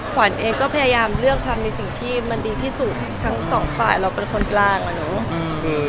ขวัญเองก็พยายามเลือกทำในสิ่งที่มันดีที่สุดทั้งสองฝ่ายเราเป็นคนกลางอ่ะเนอะ